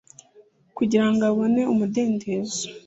kugira ngo abone umudendezo